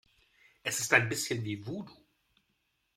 Es ist ein bisschen wie Voodoo.